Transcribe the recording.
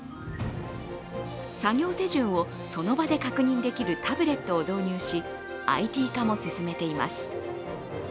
作業手順をその場で確認できるタブレットを導入しＩＴ化も進めています。